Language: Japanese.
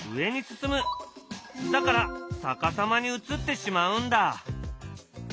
だから逆さまに映ってしまうんだ。